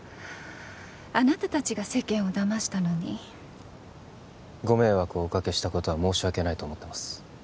あなた達が世間をだましたのにご迷惑をおかけしたことは申し訳ないと思ってます